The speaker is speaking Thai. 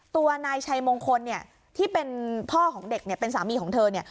ตัวนายชัยมงคลเนี่ยที่เป็นพ่อของเด็กเนี่ยเป็นสามีของเธอเนี่ย